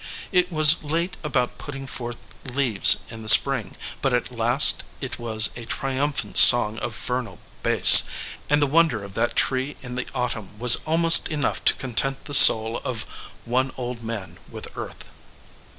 It was late about putting forth leaves in the spring, but at last it was a triumph ant song of vernal bass, and the wonder of that tree in the autumn was almost enough to content the soul of one old man with earth.